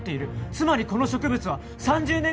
「つまりこの植物は３０年後の未来で」